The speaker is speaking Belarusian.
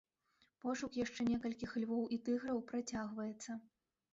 Пошук яшчэ некалькіх львоў і тыграў працягваецца.